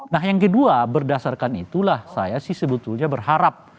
nah yang kedua berdasarkan itulah saya sih sebetulnya berharap